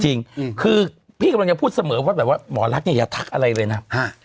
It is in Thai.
จริงคือพี่กำลังจะพูดเสมอว่าแบบว่าหมอรักเนี่ยอย่าทักอะไรเลยนะ